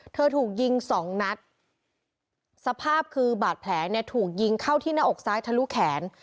ถูกยิงสองนัดสภาพคือบาดแผลเนี่ยถูกยิงเข้าที่หน้าอกซ้ายทะลุแขน